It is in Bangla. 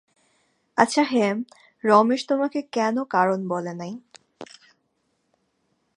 আচ্ছা হেম, রমেশ তোমাকে কোনো কারণ বলে নাই?